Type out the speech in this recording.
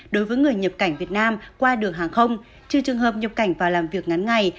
đối với người nhập cảnh việt nam qua đường hàng không trừ trường hợp nhập cảnh vào làm việc ngắn ngày